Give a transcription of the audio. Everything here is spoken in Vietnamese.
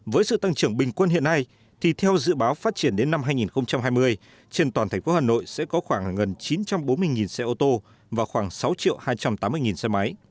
với sự tăng trưởng bình quân hiện nay thì theo dự báo phát triển đến năm hai nghìn hai mươi trên toàn thành phố hà nội sẽ có khoảng gần chín trăm bốn mươi xe ô tô và khoảng sáu hai trăm tám mươi xe máy